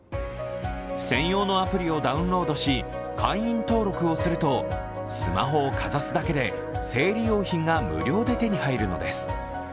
専用のアプリをダウンロードし会員登録をするとスマホをかざすだけで生理用品が無料で手に入るのです。